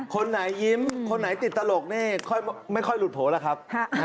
คนไหนยิ้มคนไหนติดตลกนี่ไม่ค่อยหลุดโผล่แล้วครับ